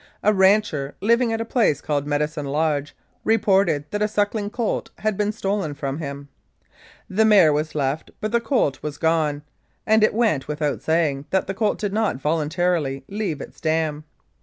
A rancher, living at a place called Medicine Lodge, reported that a suckling colt had been stolen from him. The mare was left, but the colt was gone, and it went without saying that the colt did not voluntarily leave its dam.